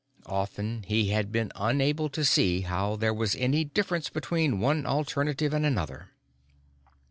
Often, he had been unable to see how there was any difference between one alternative and another.